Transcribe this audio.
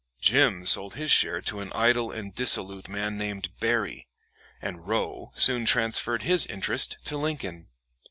"Jim" sold his share to an idle and dissolute man named Berry, and "Row" soon transferred his interest to Lincoln.